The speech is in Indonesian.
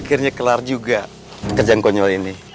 akhirnya kelar juga kejang konyol ini